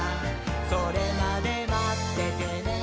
「それまでまっててねー！」